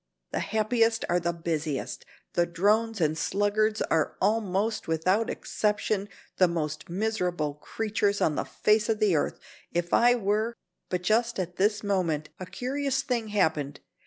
The happiest are the busiest; the drones and sluggards are almost, without exception, the most miserable creatures on the face of the earth. If I were " But just at this moment a curious thing happened.